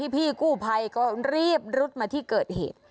พี่กู้ภัยก็รีบรุดมาที่เกิดเหตุ